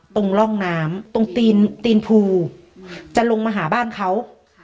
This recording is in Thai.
ตรงร่องน้ำตรงตีนภูจะลงมาหาบ้านเขา